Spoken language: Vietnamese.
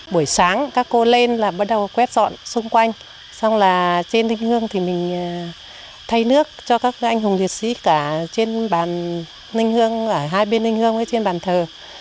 buổi sáng các cô lên là bắt đầu quét dọn xung quanh xong là trên ninh hương thì mình thay nước cho các anh hùng liệt sĩ cả trên bàn ninh hương ở hai bên ninh hương với trên bàn thờ